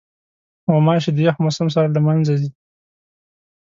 غوماشې د یخ موسم سره له منځه ځي.